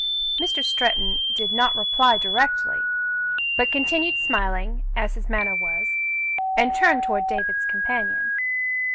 Mr. Stretton did not reply directly, but continued smiling, as his manner was, and turned toward David's companion.